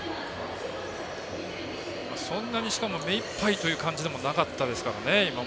そんなに、しかも目いっぱいという感じもなかったですからね、今も。